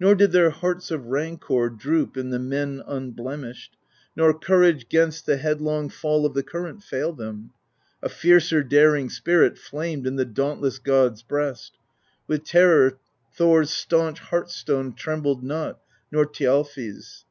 Nor did their hearts of rancor Droop in the men unblemished, Nor courage 'gainst the headlong Fall of the current fail them: A fiercer daring spirit Flamed in the dauntless God's breast, — With terror Thor's staunch heart stone Trembled not, nor Thjalfi's.